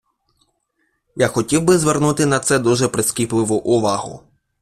Я хотів би звернути на це дуже прискіпливу увагу.